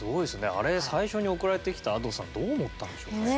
あれ最初に送られてきたＡｄｏさんどう思ったんでしょうね。